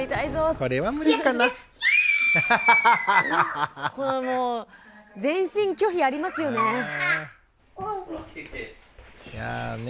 このもう全身拒否ありますよね。